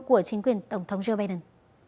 của chính quyền tổng thống joe biden